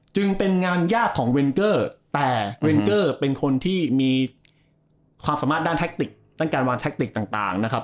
จึงเป็นงานยากของเวนเกอร์แต่เวนเกอร์เป็นคนที่มีความสามารถด้านแท็กติกด้านการวางแท็กติกต่างนะครับ